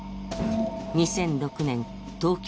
２００６年東京